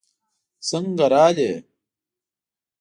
څنګه راغلې؟